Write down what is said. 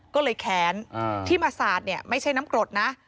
ก็เลยแค้นที่มาสาดเนี่ยไม่ใช่น้ำกรดนะ